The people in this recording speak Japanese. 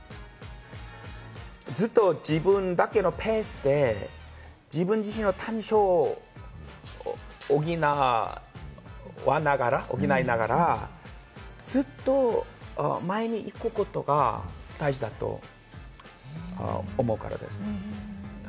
ずっと自分だけのペースで自分自身の短所を補いながら、ずっと前に行くことが大事だと思うからです。